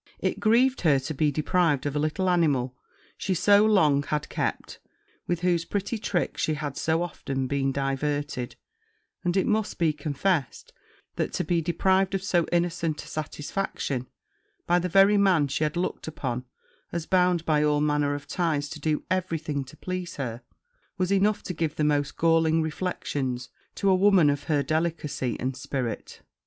It grieved her to be deprived of a little animal she so long had kept, with whose pretty tricks she had so often been diverted; and it must be confessed, that to be deprived of so innocent a satisfaction, by the very man she had looked upon as bound by all manner of ties to do every thing to please her, was enough to give the most galling reflections to a woman of her delicacy and spirit.